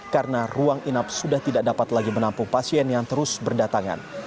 karena ruang inap sudah tidak dapat lagi menampung pasien yang terus berdatangan